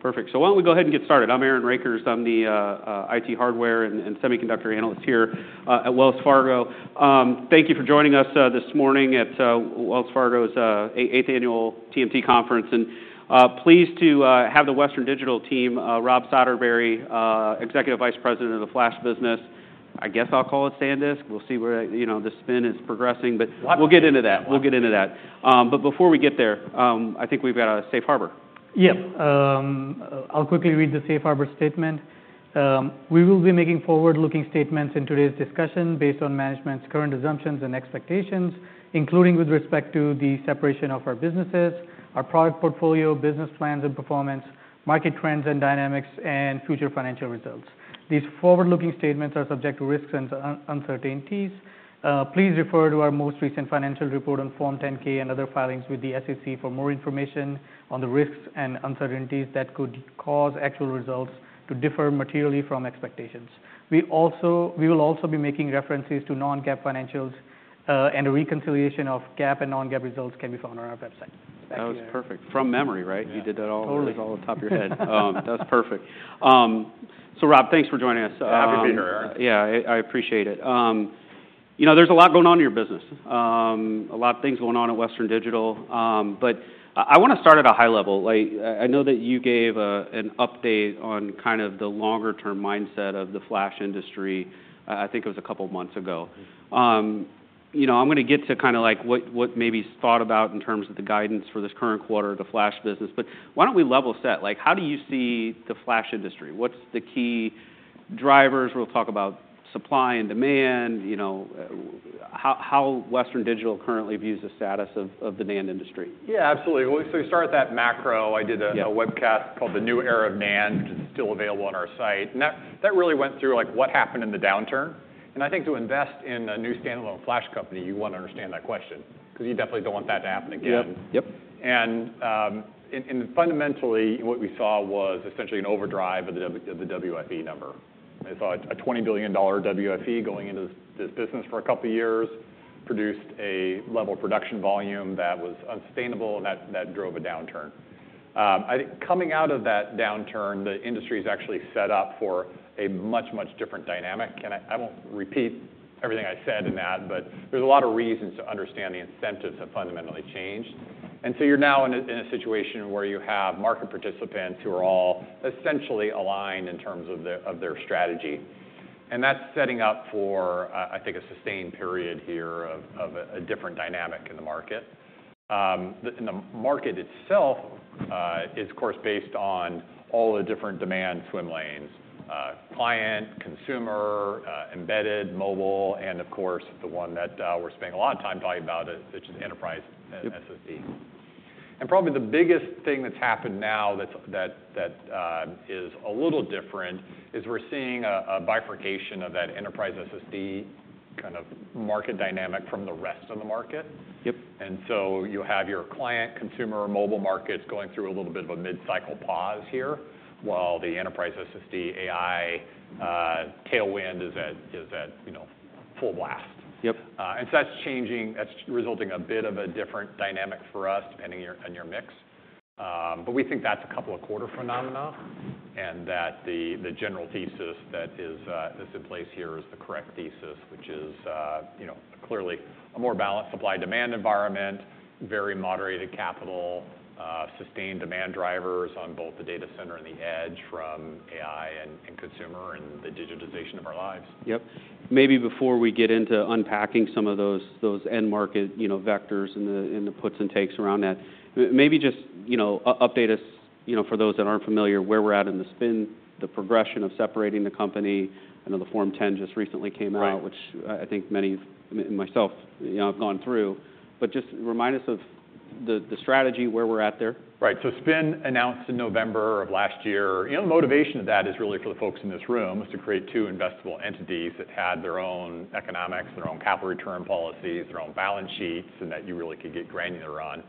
Perfect. So why don't we go ahead and get started? I'm Aaron Rakers. I'm the IT hardware and semiconductor analyst here at Wells Fargo. Thank you for joining us this morning at Wells Fargo's eighth annual TMT conference. Pleased to have the Western Digital team, Rob Soderbery, Executive Vice President of the Flash Business. I guess I'll call it SanDisk. We'll see where, you know, the spin is progressing, but we'll get into that. But before we get there, I think we've got a safe harbor. Yep. I'll quickly read the safe harbor statement. We will be making forward-looking statements in today's discussion based on management's current assumptions and expectations, including with respect to the separation of our businesses, our product portfolio, business plans and performance, market trends and dynamics, and future financial results. These forward-looking statements are subject to risks and uncertainties. Please refer to our most recent financial report on Form 10-K and other filings with the SEC for more information on the risks and uncertainties that could cause actual results to differ materially from expectations. We will also be making references to non-GAAP financials, and a reconciliation of GAAP and non-GAAP results can be found on our website. That was perfect. From memory, right? You did that all from the top of your head. That's perfect, so Rob, thanks for joining us. Happy to be here, Aaron. Yeah, I appreciate it. You know, there's a lot going on in your business. A lot of things going on at Western Digital. But I wanna start at a high level. Like, I know that you gave an update on kind of the longer-term mindset of the Flash industry. I think it was a couple months ago. You know, I'm gonna get to kind of like what maybe is thought about in terms of the guidance for this current quarter of the Flash business. But why don't we level set? Like, how do you see the Flash industry? What's the key drivers? We'll talk about supply and demand, you know, how Western Digital currently views the status of the NAND industry. Yeah, absolutely. We start with that macro. I did a webcast called The New Era of NAND, which is still available on our site. That really went through like what happened in the downturn. I think to invest in a new standalone Flash company, you wanna understand that question 'cause you definitely don't want that to happen again. Yep. Yep. Fundamentally what we saw was essentially an overdrive of the WFE number. I saw a $20 billion WFE going into this business for a couple years, produced a level of production volume that was unsustainable, and that drove a downturn. I think coming out of that downturn, the industry's actually set up for a much, much different dynamic, and I won't repeat everything I said in that, but there's a lot of reasons to understand the incentives have fundamentally changed, and so you're now in a situation where you have market participants who are all essentially aligned in terms of their strategy, and that's setting up for, I think, a sustained period here of a different dynamic in the market. and the market itself is of course based on all the different demand swim lanes: client, consumer, embedded, mobile, and of course the one that we're spending a lot of time talking about, which is enterprise SSD. Yep. Probably the biggest thing that's happened now that is a little different is we're seeing a bifurcation of that enterprise SSD kind of market dynamic from the rest of the market. Yep. You have your client, consumer, mobile markets going through a little bit of a mid-cycle pause here while the enterprise SSD AI tailwind is at, you know, full blast. Yep. And so that's changing. That's resulting in a bit of a different dynamic for us depending on your mix. But we think that's a couple of quarter phenomena and that the general thesis that is in place here is the correct thesis, which is, you know, clearly a more balanced supply-demand environment, very moderated capital, sustained demand drivers on both the data center and the edge from AI and consumer and the digitization of our lives. Yep. Maybe before we get into unpacking some of those end market, you know, vectors and the puts and takes around that, maybe just, you know, update us, you know, for those that aren't familiar where we're at in the spin, the progression of separating the company. I know the Form 10 just recently came out. Right. Which I think many of us, you know, have gone through, but just remind us of the strategy where we're at there. Right. So spin announced in November of last year. You know, the motivation of that is really for the folks in this room is to create 2 investable entities that had their own economics, their own capital return policies, their own balance sheets, and that you really could get granular on.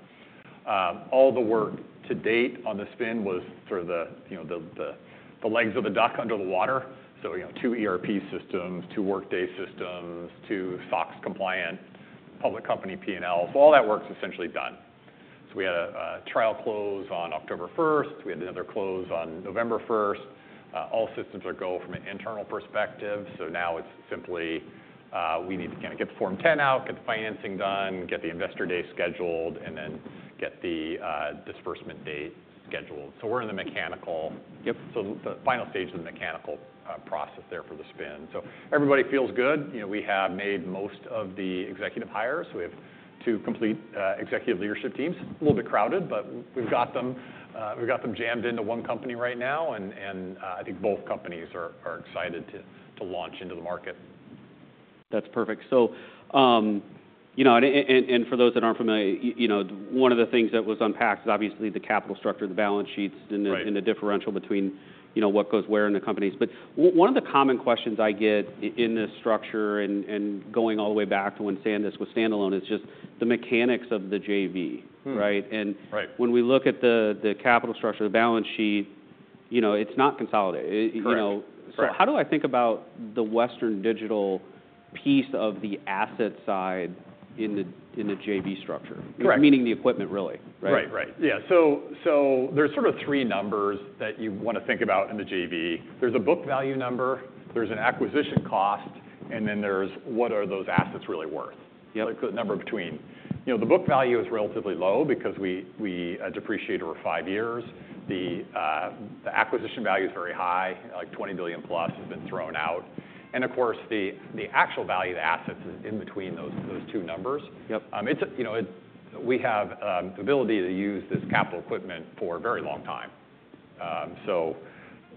All the work to date on the spin was sort of the, you know, the legs of the duck under the water. So, you know, two ERP systems, 2 Workday systems, two SOX compliant public company P&Ls. All that work's essentially done. So we had a trial close on October 1st. We had another close on November 1st. All systems are go from an internal perspective. So now it's simply, we need to kinda get the Form 10 out, get the financing done, get the investor day scheduled, and then get the disbursement date scheduled. So, we're in the mechanical. Yep. So the final stage of the mechanical process there for the spin. So everybody feels good. You know, we have made most of the executive hires. We have two complete executive leadership teams. A little bit crowded, but we've got them, we've got them jammed into one company right now. And I think both companies are excited to launch into the market. That's perfect. So, you know, and for those that aren't familiar, you know, one of the things that was unpacked is obviously the capital structure, the balance sheets, and the differential between, you know, what goes where in the companies. But one of the common questions I get in this structure and going all the way back to when SanDisk was standalone is just the mechanics of the JV. Mm-hmm. Right? And. Right. When we look at the capital structure, the balance sheet, you know, it's not consolidated. Correct. You know, so how do I think about the Western Digital piece of the asset side in the JV structure? Correct. Meaning the equipment really, right? Right. Right. Yeah. So, so there's sort of 3 numbers that you wanna think about in the JV. There's a book value number, there's an acquisition cost, and then there's what are those assets really worth. Yep. Like the number between, you know, the book value is relatively low because we depreciate over five years. The acquisition value's very high, like $20+ billion has been thrown out. And of course, the actual value of the assets is in between those two numbers. Yep. It's, you know, we have the ability to use this capital equipment for a very long time. So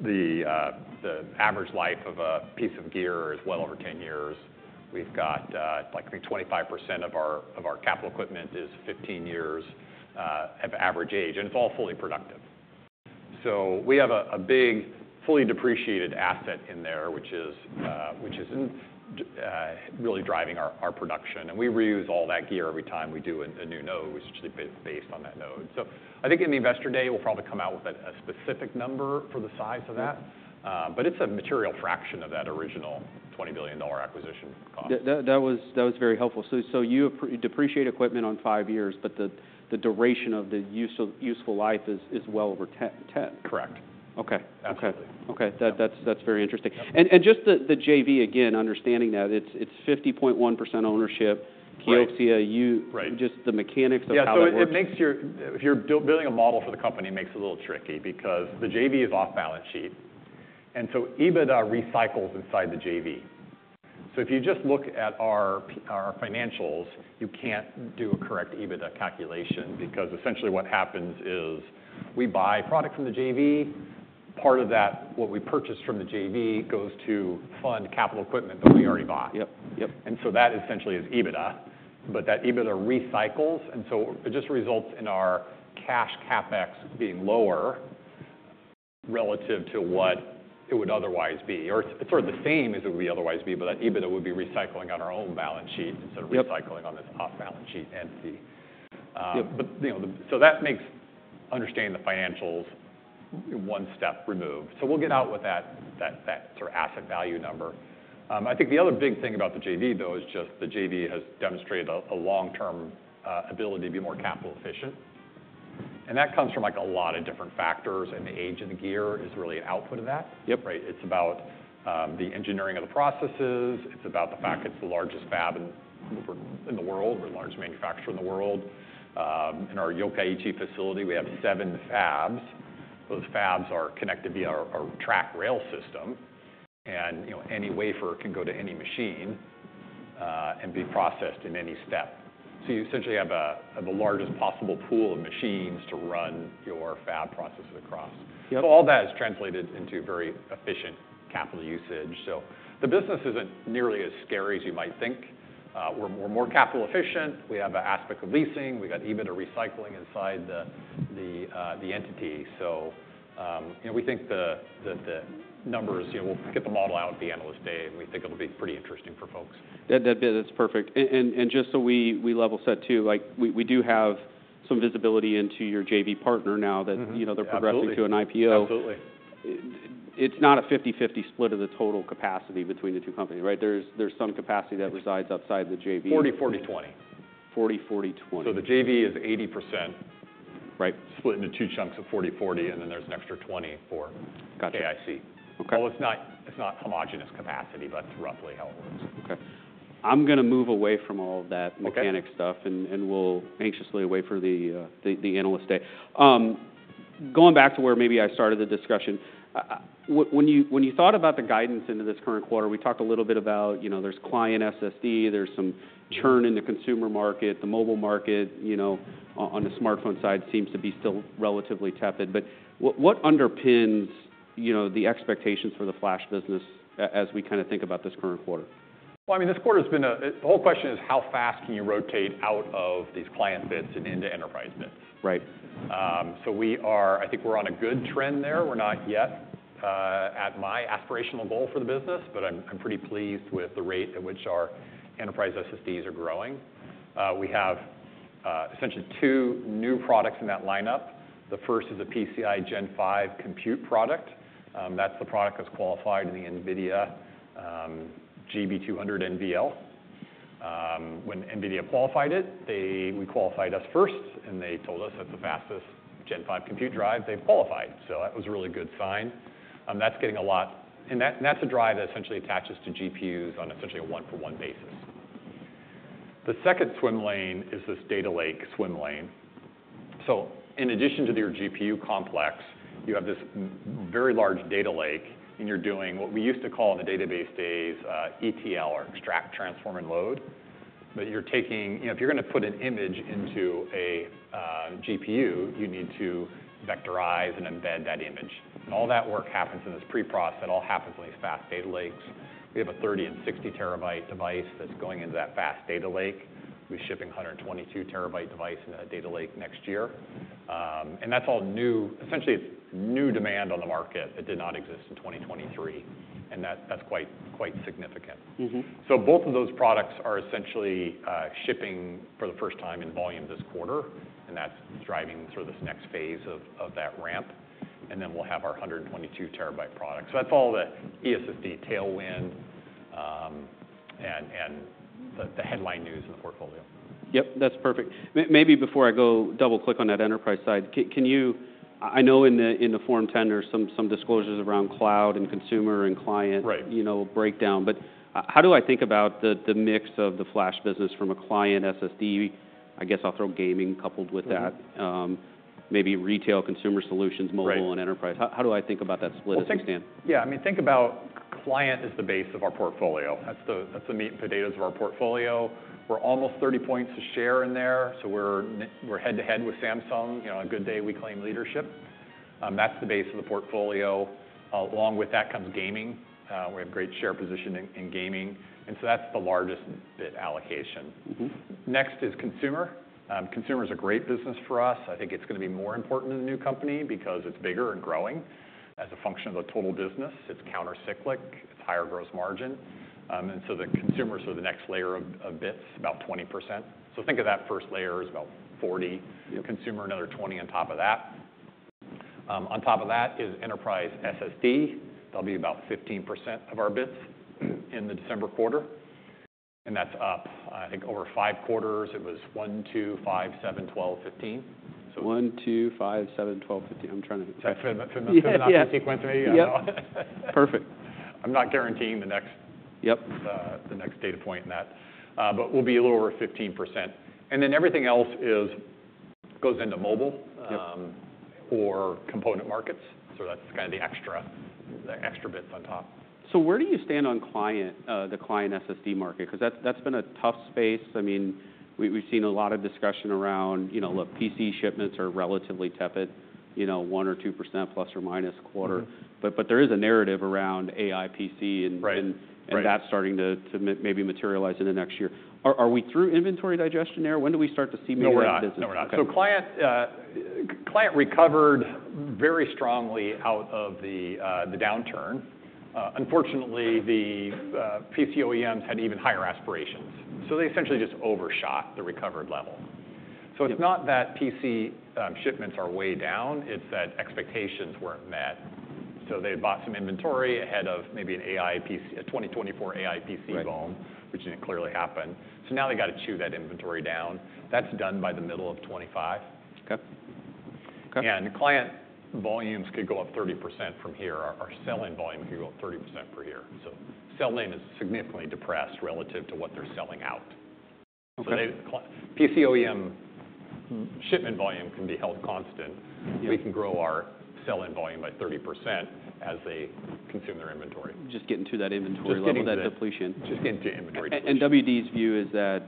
the average life of a piece of gear is well over 10 years. We've got, like I think 25% of our capital equipment is 15 years of average age. And it's all fully productive. So we have a big fully depreciated asset in there, which is really driving our production. And we reuse all that gear every time we do a new node, which is based on that node. So I think in the investor day, we'll probably come out with a specific number for the size of that. Yep. but it's a material fraction of that original $20 billion acquisition cost. That was very helpful. So you depreciate equipment on 5 years, but the duration of the useful life is well over 10. Correct. Okay. Absolutely. Okay. That's very interesting, and just the JV, again, understanding that it's 50.1% ownership. Correct. Kioxia, you. Right. Just the mechanics of how that works. Yeah. So it makes your, if you're building a model for the company, it makes it a little tricky because the JV is off balance sheet. And so EBITDA recycles inside the JV. So if you just look at our financials, you can't do a correct EBITDA calculation because essentially what happens is we buy product from the JV. Part of that, what we purchased from the JV goes to fund capital equipment that we already buy. Yep. Yep. And so that essentially is EBITDA, but that EBITDA recycles. And so it just results in our cash CapEx being lower relative to what it would otherwise be. Or it's sort of the same as it would be otherwise, but that EBITDA would be recycling on our own balance sheet instead of recycling. Yep. On this off-balance-sheet entity. Yep. But, you know, so that makes understanding the financials one step removed. So we'll get out with that sort of asset value number. I think the other big thing about the JV though is just the JV has demonstrated a long-term ability to be more capital efficient. And that comes from like a lot of different factors. And the age of the gear is really an output of that. Yep. Right? It's about the engineering of the processes. It's about the fact it's the largest fab in the world. We're the largest manufacturer in the world. In our Yokkaichi facility, we have 7 fabs. Those fabs are connected via our track rail system, and you know, any wafer can go to any machine and be processed in any step, so you essentially have the largest possible pool of machines to run your fab processes across. Yep. All that is translated into very efficient capital usage. The business isn't nearly as scary as you might think. We're more capital efficient. We have an aspect of leasing. We've got EBITDA recycling inside the entity. You know, we think the numbers, you know, we'll get the model out at the analyst day and we think it'll be pretty interesting for folks. That's perfect. And just so we level set too, like we do have some visibility into your JV partner now that, you know, they're progressing to an IPO. Absolutely. It's not a 50/50 split of the total capacity between the 2 companies, right? There's some capacity that resides outside the JV. 40/40/20. 40/40/20. The JV is 80%. Right. Split into two chunks of 40/40, and then there's an extra 20 for KIC. Gotcha. Okay. It's not homogeneous capacity, but it's roughly how it works. Okay. I'm gonna move away from all of that mechanic stuff. Okay. We'll anxiously wait for the analyst day. Going back to where maybe I started the discussion, when you thought about the guidance into this current quarter, we talked a little bit about, you know, there's client SSD, there's some churn in the consumer market, the mobile market, you know, on the smartphone side seems to be still relatively tepid, but what underpins, you know, the expectations for the Flash business as we kinda think about this current quarter? Well, I mean, this quarter's been a, the whole question is how fast can you rotate out of these client bits and into enterprise bits. Right. So we are, I think we're on a good trend there. We're not yet at my aspirational goal for the business, but I'm, I'm pretty pleased with the rate at which our enterprise SSDs are growing. We have essentially 2 new products in that lineup. The first is a PCIe Gen 5 compute product. That's the product that's qualified in the NVIDIA GB200 NVL. When NVIDIA qualified it, they, we qualified us first, and they told us that's the fastest Gen 5 compute drive they've qualified. So that was a really good sign. That's getting a lot, and that, and that's a drive that essentially attaches to GPUs on essentially a one-for-one basis. The second swim lane is this data lake swim lane. So in addition to your GPU complex, you have this very large data lake, and you're doing what we used to call in the database days, ETL or extract, transform, and load. But you're taking, you know, if you're gonna put an image into a GPU, you need to vectorize and embed that image. And all that work happens in this pre-process. That all happens in these fast data lakes. We have a 30- and 60-terabyte device that's going into that fast data lake. We're shipping 122-terabyte device into that data lake next year. And that's all new. Essentially, it's new demand on the market that did not exist in 2023. And that, that's quite, quite significant. So both of those products are essentially shipping for the first time in volume this quarter, and that's driving sort of this next phase of that ramp. And then we'll have our 122 terabyte product. So that's all the eSSD tailwind, and the headline news in the portfolio. Yep. That's perfect. Maybe before I go double-click on that enterprise side, can you? I know in the Form 10 there's some disclosures around cloud and consumer and client. Right. You know, breakdown. But how do I think about the mix of the Flash business from a client SSD? I guess I'll throw gaming coupled with that. Maybe retail consumer solutions, mobile. Enterprise. How do I think about that split as a stand? Think, yeah. I mean, think about client as the base of our portfolio. That's the meat and potatoes of our portfolio. We're almost 30 points of share in there. So we're head to head with Samsung. You know, on a good day, we claim leadership. That's the base of the portfolio. Along with that comes gaming. We have great share position in gaming. And so that's the largest bit allocation. Next is consumer. Consumer's a great business for us. I think it's gonna be more important in the new company because it's bigger and growing as a function of the total business. It's countercyclical. It's higher gross margin, and so the consumer's sort of the next layer of, of bits, about 20%. So think of that first layer as about 40%. Consumer, another 20 on top of that. On top of that is Enterprise SSD. That'll be about 15% of our bits in the December quarter. And that's up, I think, over five quarters. It was 1, 2, 5, 7, 12, 15. So. 1, 2, 5 ,7, 12, 15. I'm trying to. Sorry. Fit the. Notch sequence maybe. I know. Perfect. I'm not guaranteeing the next. the next data point in that, but we'll be a little over 15%, and then everything else goes into mobile. or component markets. So that's kinda the extra bits on top. Where do you stand on client, the client SSD market? 'Cause that's been a tough space. I mean, we've seen a lot of discussion around, you know, look, PC shipments are relatively tepid, you know, 1% or 2 plus or minus quarter. But, there is a narrative around AI PC and. And that's starting to maybe materialize in the next year. Are we through inventory digestion there? When do we start to see manufacturing business? No, we're not. Okay. Client recovered very strongly out of the downturn. Unfortunately, the PC OEMs had even higher aspirations. So they essentially just overshot the recovered level. So it's not that PC shipments are way down. It's that expectations weren't met. So they bought some inventory ahead of maybe an AI PC, a 2024 AI PC boom. Which didn't clearly happen. So now they gotta chew that inventory down. That's done by the middle of 2025. Okay. Okay. Client volumes could go up 30% from here. Our selling volume could go up 30% per year. Selling is significantly depressed relative to what they're selling out. Okay. The client PC OEM shipment volume can be held constant. We can grow our selling volume by 30% as they consume their inventory. Just getting through that inventory level. Just getting. That depletion. Just getting to inventory depletion. WD's view is that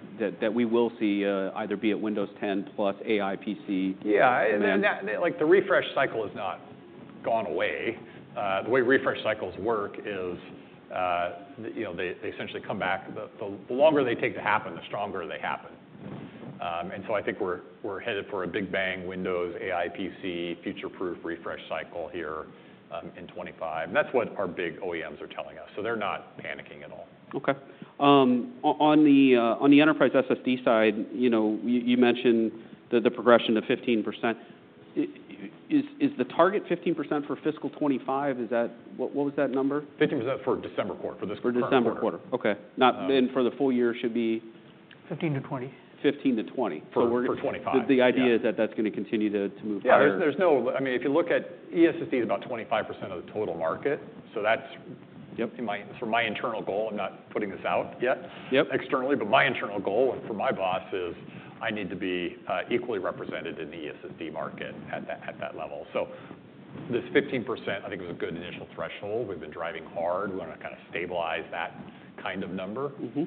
we will see either be it Windows 10 plus AI PC. Yeah. And then that, like the refresh cycle has not gone away. The way refresh cycles work is, you know, they essentially come back. The longer they take to happen, the stronger they happen. And so I think we're headed for a big bang, Windows AI PC future-proof refresh cycle here, in 2025. And that's what our big OEMs are telling us. So they're not panicking at all. Okay. On the enterprise SSD side, you know, you mentioned the progression to 15%. Is the target 15% for fiscal 2025? Is that what was that number? 15% for December quarter, for this quarter. For December quarter. Okay. Not. And for the full-year should be. 15-20. 15-20. For 2025. The idea is that that's gonna continue to move higher. Yeah. There's no, I mean, if you look at eSSD's about 25% of the total market. So that's. For my internal goal, I'm not putting this out yet. Yep. Externally, but my internal goal for my boss is I need to be equally represented in the eSSD market at that level. So this 15%, I think it was a good initial threshold. We've been driving hard. We wanna kinda stabilize that kind of number. Mm-hmm.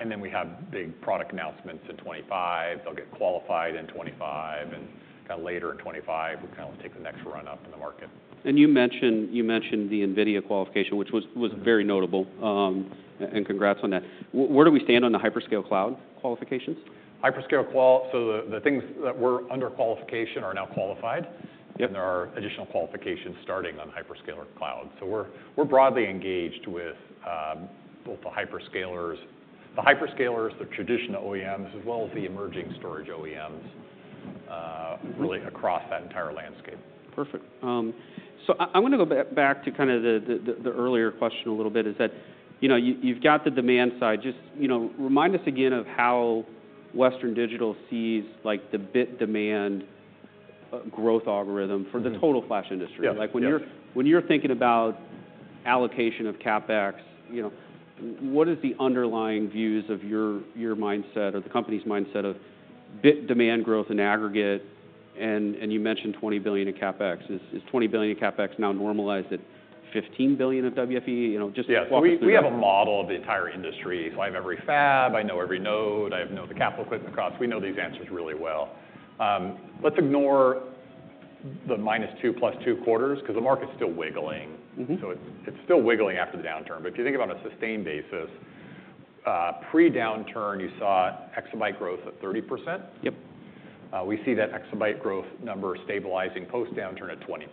And then we have big product announcements in 2025. They'll get qualified in 2025 and kinda later in 2025, we kinda take the next run up in the market. You mentioned the NVIDIA qualification, which was very notable. And congrats on that. Where do we stand on the hyperscale cloud qualifications? Hyperscale cloud, so the things that were under qualification are now qualified. Yep. And there are additional qualifications starting on hyperscaler cloud. So we're broadly engaged with both the hyperscalers, the traditional OEMs, as well as the emerging storage OEMs, really across that entire landscape. Perfect. So I wanna go back to kinda the earlier question a little bit, is that, you know, you've got the demand side. Just, you know, remind us again of how Western Digital sees like the bit demand, growth algorithm for the total Flash industry. Yeah. Like when you're thinking about allocation of CapEx, you know, what is the underlying views of your mindset or the company's mindset of bit demand growth in aggregate? And you mentioned $20 billion in CapEx. Is $20 billion in CapEx now normalized at $15 billion of WFE? You know, just. Yeah. What would you? We have a model of the entire industry. So I have every fab. I know every node. I know the capital equipment costs. We know these answers really well. Let's ignore the minus two plus 2 quarters 'cause the market's still wiggling. Mm-hmm. So it's still wiggling after the downturn. But if you think about on a sustained basis, pre-downturn, you saw exabyte growth at 30%. Yep. We see that exabyte growth number stabilizing post-downturn at 20%.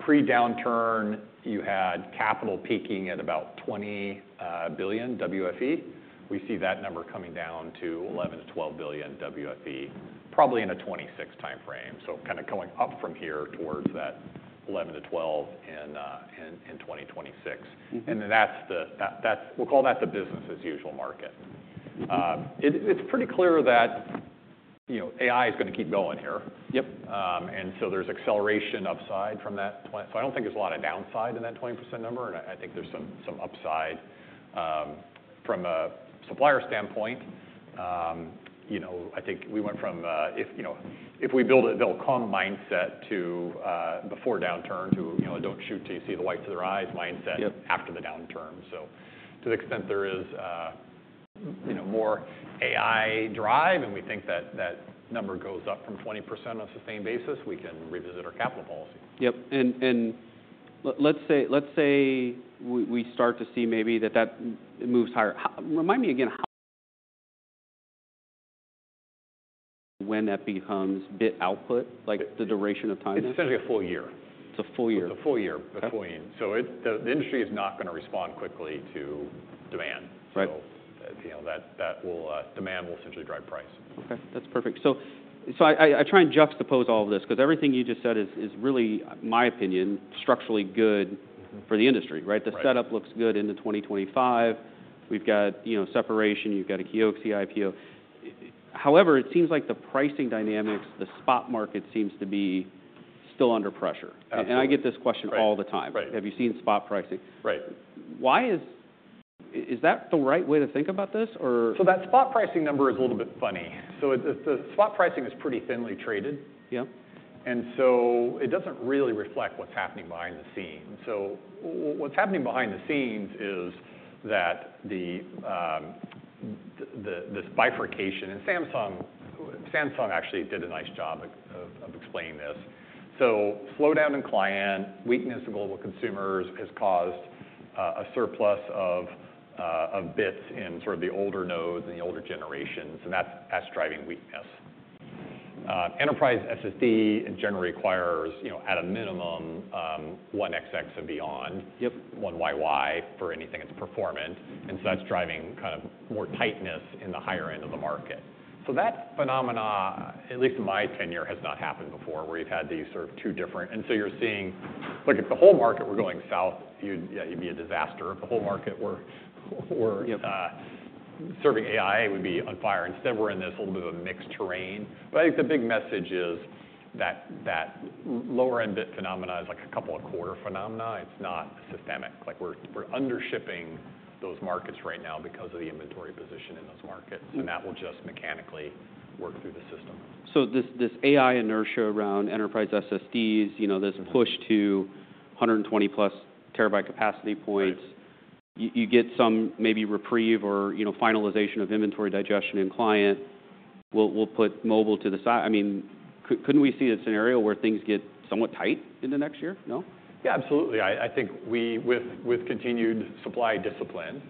Pre-downturn, you had capital peaking at about $20 billion WFE. We see that number coming down to $11-12 billion WFE, probably in a 2026 timeframe. So kinda going up from here towards that $11-12 billion in 2026. Mm-hmm. And then we'll call that the business-as-usual market. It's pretty clear that, you know, AI's gonna keep going here. Yep. And so there's acceleration upside from that 20%. So I don't think there's a lot of downside in that 20% number. And I think there's some upside from a supplier standpoint. You know, I think we went from a calm mindset to pre-downturn to, you know, don't shoot till you see the whites of their eyes mindset. Yep. After the downturn. So to the extent there is, you know, more AI drive and we think that that number goes up from 20% on a sustained basis, we can revisit our capital policy. Yep. And let's say we start to see maybe that moves higher. How, remind me again how when that becomes bit output, like the duration of time? It's essentially a full year. It's a full year. It's a full year before you. Mm-hmm. The industry is not gonna respond quickly to demand. Right. That, you know, demand will essentially drive price. Okay. That's perfect. So, I try and juxtapose all of this 'cause everything you just said is really, in my opinion, structurally good. Mm-hmm. For the industry, right? Right. The setup looks good into 2025. We've got, you know, separation. You've got a Kioxia IPO. However, it seems like the pricing dynamics, the spot market seems to be still under pressure. Absolutely. I get this question all the time. Right. Have you seen spot pricing? Why is that the right way to think about this or? So that spot pricing number is a little bit funny. So it, the spot pricing is pretty thinly traded. Yep. It doesn't really reflect what's happening behind the scenes. What's happening behind the scenes is that the this bifurcation and Samsung actually did a nice job of explaining this. Slowdown in client weakness to global consumers has caused a surplus of bits in sort of the older nodes and the older generations. That's driving weakness. Enterprise SSD in general requires, you know, at a minimum, 1xx and beyond. Yep. AI for anything that's performant. And so that's driving kind of more tightness in the higher end of the market. So that phenomenon, at least in my tenure, has not happened before where you've had these sort of two different. And so you're seeing, look, if the whole market were going south, you'd, yeah, you'd be a disaster. If the whole market were. Yep. Serving AI would be on fire. Instead, we're in this little bit of a mixed terrain. But I think the big message is that, that lower-end bit phenomenon is like a couple of quarter phenomena. It's not systemic. Like we're, we're undershipping those markets right now because of the inventory position in those markets. That will just mechanically work through the system. So this AI inertia around enterprise SSDs, you know, there's a push to 120+ terabyte capacity points. Right. You get some maybe reprieve or, you know, finalization of inventory digestion in client. We'll put mobile to the side. I mean, couldn't we see a scenario where things get somewhat tight in the next year? No? Yeah, absolutely. I think we, with continued supply discipline.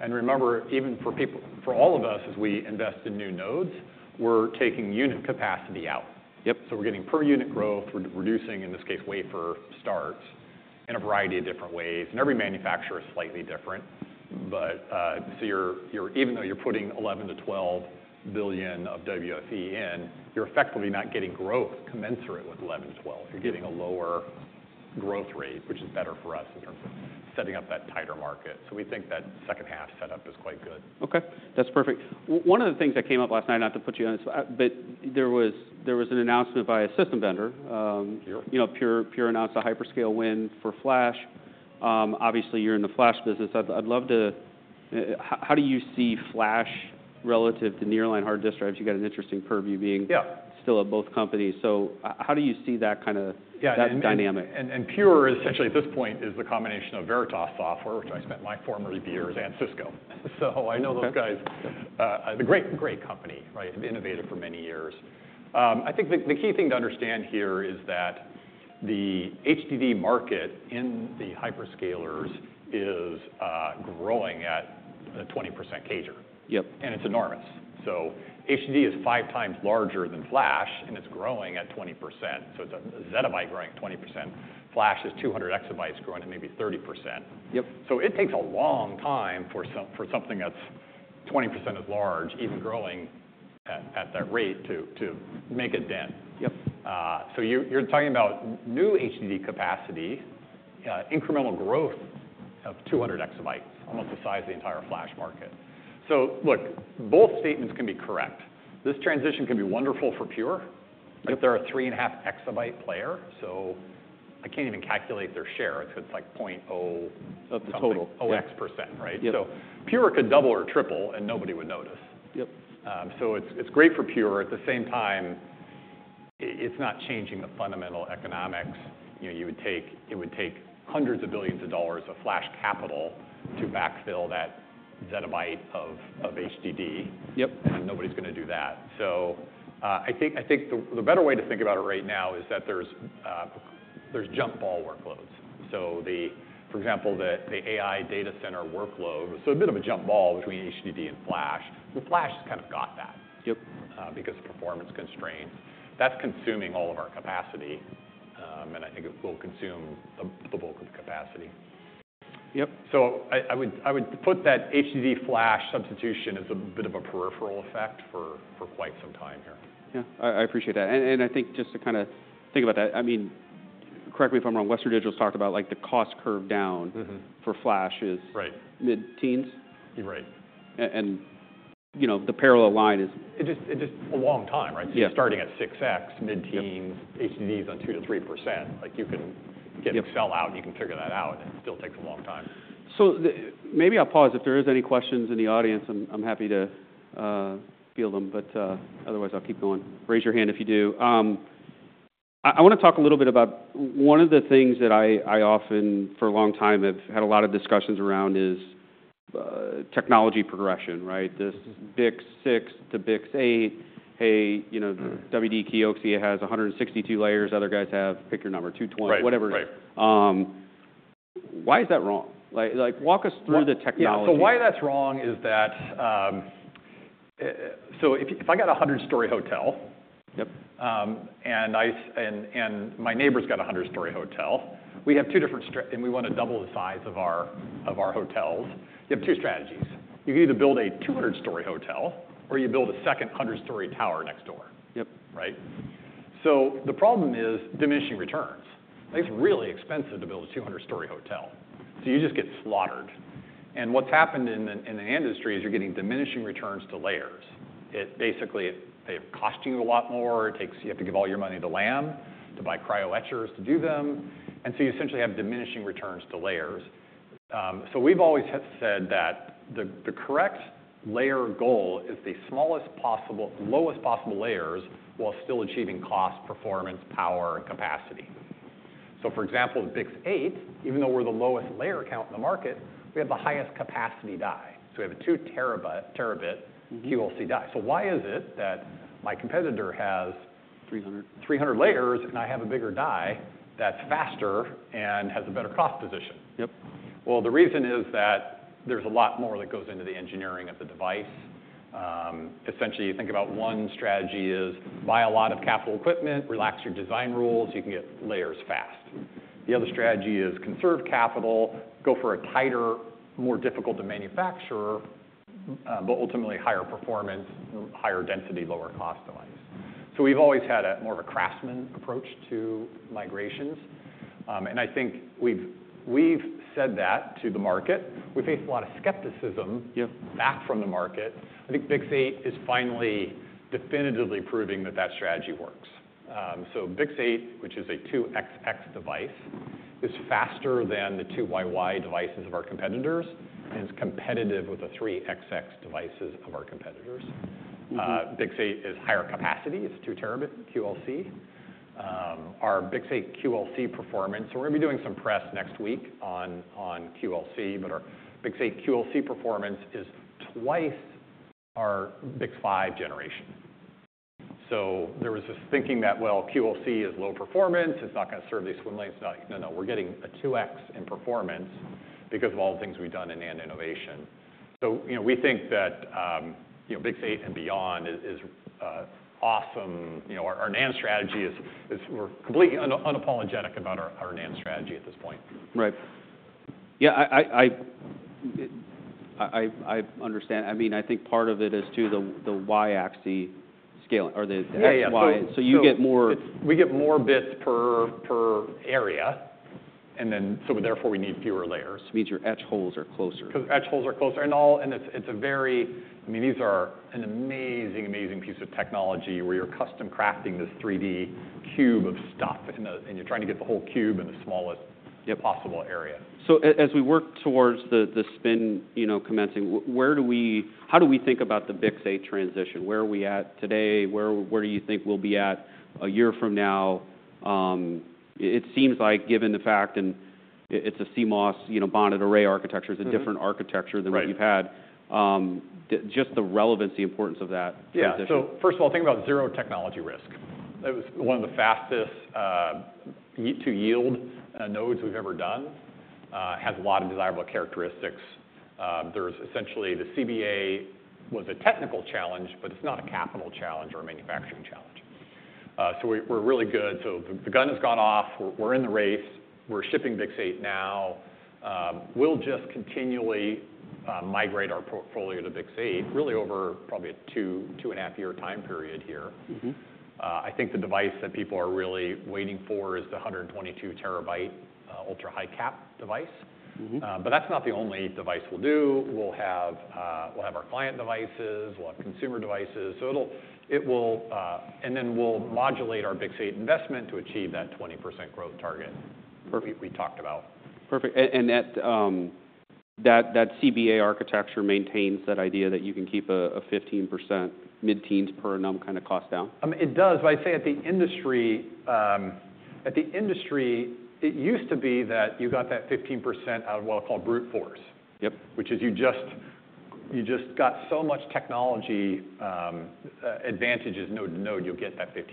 And remember, even for people, for all of us, as we invest in new nodes, we're taking unit capacity out. Yep. So we're getting per unit growth. We're reducing, in this case, wafer starts in a variety of different ways. And every manufacturer is slightly different. But so you're even though you're putting $11-12 billion of WFE in, you're effectively not getting growth commensurate with $11-12 billion. You're getting a lower growth rate, which is better for us in terms of setting up that tighter market. So we think that second half setup is quite good. Okay. That's perfect. One of the things that came up last night, not to put you on the spot, but there was an announcement by a system vendor, Pure. You know, Pure announced a hyperscale win for Flash. Obviously, you're in the Flash business. I'd love to, how do you see Flash relative to Nearline Hard Disk Drive? You got an interesting purview being. Yeah. Still at both companies. So how do you see that kinda? Yeah. That dynamic? Pure essentially at this point is the combination of Veritas Software, which I spent my former years at, Cisco. So I know those guys. Okay. a great, great company, right? They've innovated for many years. I think the key thing to understand here is that the HDD market in the hyperscalers is growing at a 20% CAGR. It's enormous. HDD is five times larger than Flash, and it's growing at 20%. It's a zettabyte growing at 20%. Flash is 200 exabytes growing at maybe 30%. It takes a long time for something that's 20% as large, even growing at that rate to make it then. You're talking about new HDD capacity, incremental growth of 200 exabytes, almost the size of the entire Flash market. Look, both statements can be correct. This transition can be wonderful for Pure. If they're a three-and-a-half exabyte player, so I can't even calculate their share. It's, it's like 0.0. That's a total. 0.0x%, right? So Pure could double or triple, and nobody would notice. It's great for Pure. At the same time, it's not changing the fundamental economics. You know, it would take hundreds of billions of dollars of Flash capital to backfill that zettabyte of HDD. Nobody's gonna do that. I think the better way to think about it right now is that there's jump ball workloads. For example, the AI data center workload is a bit of a jump ball between HDD and Flash. Flash has kind of got that. Because of performance constraints. That's consuming all of our capacity, and I think it will consume the bulk of the capacity. I would put that HDD-Flash substitution as a bit of a peripheral effect for quite some time here. Yeah. I appreciate that. And I think just to kinda think about that, I mean, correct me if I'm wrong, Western Digital's talked about like the cost curve down. For Flash is. Right. Mid-teens? Right. You know, the parallel line is. It just a long time, right? So you're starting at 6x, mid-teens. HDD's on 2%-3. Like you can. Get Excel out, and you can figure that out, and it still takes a long time. So, maybe I'll pause. If there is any questions in the audience, I'm happy to field them. But otherwise, I'll keep going. Raise your hand if you do. I wanna talk a little bit about one of the things that I often, for a long time, have had a lot of discussions around is technology progression, right? This BiCS 6-8. Hey, you know, the WD Kioxia has 162 layers. Other guys have, pick your number, 220, whatever. Right. Right. Why is that wrong? Like, walk us through the technology. Yeah, so why that's wrong is that, so if I got a 100-story hotel. my neighbor's got a 100-story hotel. We have two different strategies, and we wanna double the size of our hotels. You have two strategies. You can either build a 200-story hotel or you build a second 100-story tower next door. Right? So the problem is diminishing returns. It's really expensive to build a 200-story hotel. So you just get slaughtered. And what's happened in the industry is you're getting diminishing returns to layers. It basically, they're costing you a lot more. It takes, you have to give all your money to Lam to buy cryo etchers to do them. And so you essentially have diminishing returns to layers. We've always have said that the correct layer goal is the smallest possible, lowest possible layers while still achieving cost, performance, power, and capacity. So for example, the BiCS 8, even though we're the lowest layer count in the market, we have the highest capacity die. So we have a 2-terabit Kioxia die. So why is it that my competitor has. 300. 300 layers, and I have a bigger die that's faster and has a better cost position? The reason is that there's a lot more that goes into the engineering of the device. Essentially, you think about one strategy is buy a lot of capital equipment, relax your design rules, you can get layers fast. The other strategy is conserve capital, go for a tighter, more difficult to manufacture, but ultimately higher performance, higher density, lower cost device, so we've always had a more of a craftsman approach to migrations. And I think we've said that to the market. We faced a lot of skepticism. Back from the market. I think BiCS 8 is finally definitively proving that that strategy works. So BiCS 8, which is a 2xx device, is faster than the 2yy devices of our competitors and is competitive with the 3xx devices of our competitors. BiCS 8 is higher capacity. It's 2 terabit Kioxia. Our BiCS 8 Kioxia performance, so we're gonna be doing some press next week on, on Kioxia, but our BiCS 8 Kioxia performance is twice our BiCS 5 generation. So there was this thinking that, well, Kioxia is low performance. It's not gonna serve these swim lanes. It's not like, no, no, we're getting a 2x in performance because of all the things we've done in NAND innovation. So, you know, we think that, you know, BiCS 8 and beyond is awesome. You know, our NAND strategy is we're completely unapologetic about our NAND strategy at this point. Right. Yeah. I understand. I mean, I think part of it is too the y-axis scale or the x, y. Yeah. Yeah. You get more. We get more bits per area, and then so therefore we need fewer layers. Means your etch holes are closer. 'Cause etch holes are closer. And it's a very, I mean, these are an amazing piece of technology where you're custom crafting this 3D cube of stuff, and you're trying to get the whole cube in the smallest. Possible area. So as we work towards the spin, you know, commencing, where do we, how do we think about the BiCS 8 transition? Where are we at today? Where do you think we'll be at a year from now? It seems like given the fact, and it's a CMOS, you know, bonded array architecture. Right. It's a different architecture than what you've had. Right. Just the relevance, importance of that transition. Yeah. So first of all, think about 0 technology risk. It was one of the fastest to yield nodes we've ever done. It has a lot of desirable characteristics. There's essentially the CBA was a technical challenge, but it's not a capital challenge or a manufacturing challenge. So we, we're really good. So the, the gun has gone off. We're, we're in the race. We're shipping BiCS 8 now. We'll just continually migrate our portfolio to BiCS 8 really over probably a two, two-and-a-half-year time period here. I think the device that people are really waiting for is the 122 terabyt, ultra-high-cap device. But that's not the only device we'll do. We'll have our client devices. We'll have consumer devices. So it will, and then we'll modulate our BiCS 8 investment to achieve that 20% growth target. Perfect. We talked about. Perfect. And that CBA architecture maintains that idea that you can keep a 15% mid-teens per annum kind of cost down? It does. But I'd say at the industry, it used to be that you got that 15% out of what I'll call brute force. Which is, you just got so much technology advantages node to node, you'll get that 15%.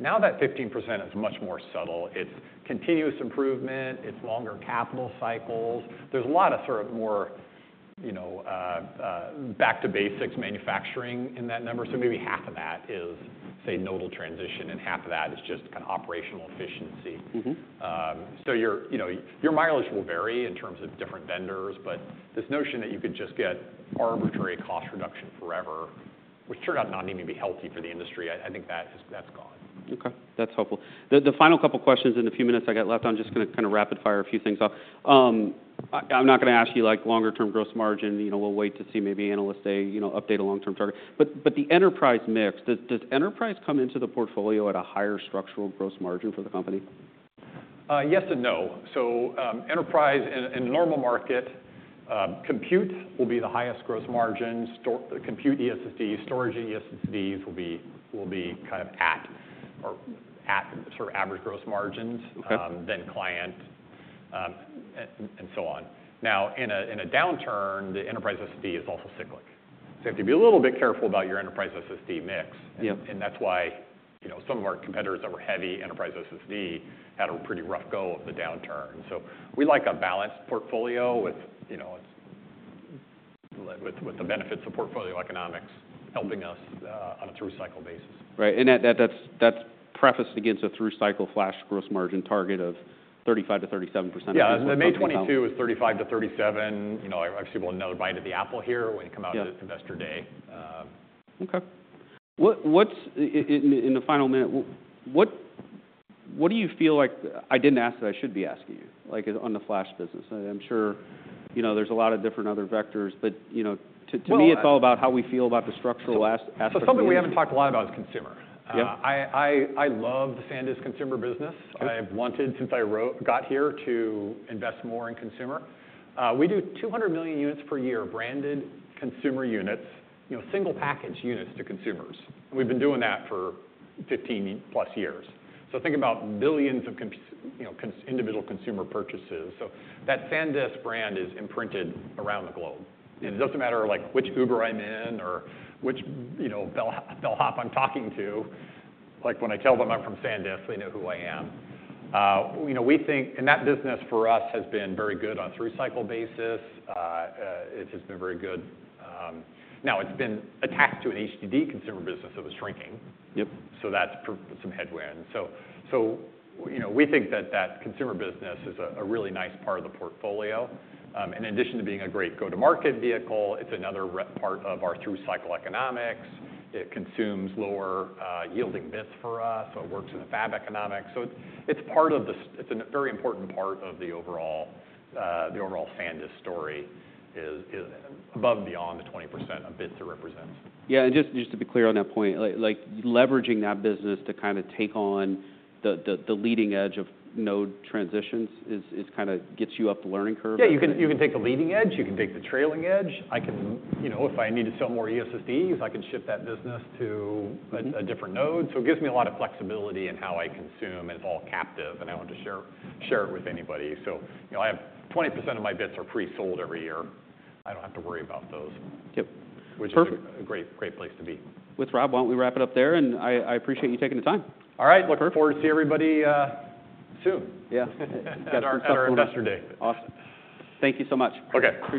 Now that 15% is much more subtle. It's continuous improvement. It's longer capital cycles. There's a lot of sort of more, you know, back-to-basics manufacturing in that number. So maybe half of that is, say, nodal transition, and half of that is just kinda operational efficiency. So you're, you know, your mileage will vary in terms of different vendors, but this notion that you could just get arbitrary cost reduction forever, which turned out not even to be healthy for the industry. I think that is, that's gone. Okay. That's helpful. The final couple questions in the few minutes I got left, I'm just gonna kinda rapid-fire a few things off. I'm not gonna ask you like longer-term gross margin. You know, we'll wait to see maybe analysts say, you know, update a long-term target. But the enterprise mix, does enterprise come into the portfolio at a higher structural gross margin for the company? Yes and no, so enterprise in a normal market, compute will be the highest gross margins. Storage, the compute eSSDs, storage eSSDs will be kind of at or sort of average gross margins. Okay. Then client, and so on. Now, in a downturn, the Enterprise SSD is also cyclic. So you have to be a little bit careful about your Enterprise SSD mix. And that's why, you know, some of our competitors that were heavy enterprise SSD had a pretty rough go of the downturn. So we like a balanced portfolio with, you know, it's with the benefits of portfolio economics helping us on a through-cycle basis. Right. And that's prefaced against a through-cycle Flash gross margin target of 35%-37%. Yeah. The May 2022 was 35-37. You know, I actually will never bite at the apple here when you come out to. Investor Day. Okay. What's in the final minute, what do you feel like I didn't ask that I should be asking you? Like on the Flash business. I'm sure, you know, there's a lot of different other vectors, but, you know, to me. Well. It's all about how we feel about the structural aspects of. So something we haven't talked a lot about is consumer. Yeah. I love the SanDisk consumer business. Okay. I've wanted, since I got here, to invest more in consumer. We do 200 million units per year, branded consumer units, you know, single-package units to consumers. We've been doing that for 15-plus years. So think about millions of consumers, you know, individual consumer purchases. So that SanDisk brand is imprinted around the globe. And it doesn't matter like which Uber I'm in or which, you know, bellhop I'm talking to. Like when I tell them I'm from SanDisk, they know who I am. You know, we think, and that business for us has been very good on a through-cycle basis. It has been very good. Now it's been attached to an HDD consumer business that was shrinking. So that's despite some headwinds. You know, we think that consumer business is a really nice part of the portfolio. In addition to being a great go-to-market vehicle, it's another key part of our through-cycle economics. It consumes lower-yielding bits for us. So it works in the fab economics. It's part of the SSD. It's a very important part of the overall SanDisk story above and beyond the 20% of bits it represents. Yeah. And just to be clear on that point, like leveraging that business to kinda take on the leading edge of node transitions is kinda gets you up the learning curve. Yeah. You can, you can take the leading edge. You can take the trailing edge. I can, you know, if I need to sell more ESSDs, I can shift that business to a, a different node. So it gives me a lot of flexibility in how I consume, and it's all captive, and I don't have to share, share it with anybody. So, you know, I have 20% of my bits are pre-sold every year. I don't have to worry about those. Which is a great, great place to be. Perfect. With Rob, why don't we wrap it up there, and I appreciate you taking the time. All right. Looking forward to see everybody, soon. That's our successful investor day. Awesome. Thank you so much. Okay.